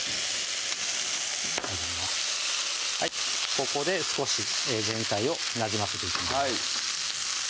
ここで少し全体をなじませていきます